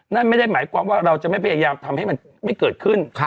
นั่นไม่ได้หมายความว่าเราจะไม่พยายามทำให้มันไม่เกิดขึ้น